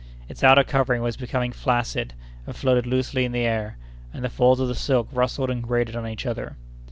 Its outer covering was becoming flaccid, and floated loosely in the air, and the folds of the silk rustled and grated on each other.